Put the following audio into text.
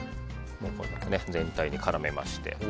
全体に絡めまして。